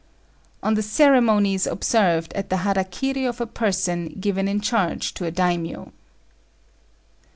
ON THE CEREMONIES OBSERVED AT THE HARA KIRI OF A PERSON GIVEN IN CHARGE TO A DAIMIO.